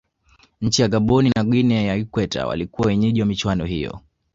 nchi ya gabon na guinea ya ikweta walikuwa wenyeji wa michuano hiyo